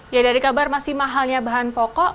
ya dari kabar masih mahalnya bahan pokok